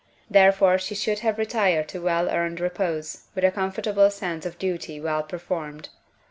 Therefore she should have retired to well earned repose with a comfortable sense of duty well performed.